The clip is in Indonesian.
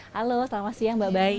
halo selamat siang mbak baik